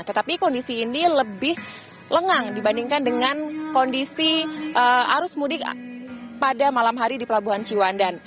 tetapi kondisi ini lebih lengang dibandingkan dengan kondisi arus mudik pada malam hari di pelabuhan ciwandan